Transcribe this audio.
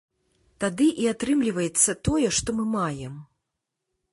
Тады і атрымліваецца тое, што мы маем.